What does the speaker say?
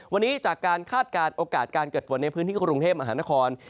วันนี้จากการคาดการณ์โอกาสการเกิดฝนในพื้นที่กรุงเทพมหานคร